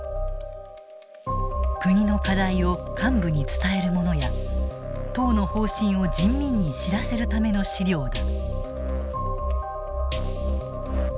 国の課題を幹部に伝えるものや党の方針を人民に知らせるための資料だ。